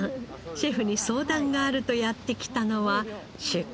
シェフに相談があるとやって来たのは出荷場。